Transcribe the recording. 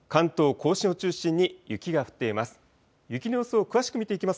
甲信を中心に雪が降っています。